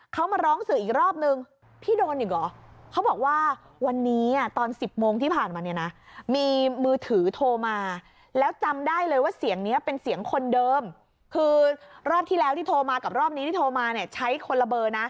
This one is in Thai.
เขามาร้องสื่ออีกรอบนึงพี่โดนอยู่หรอ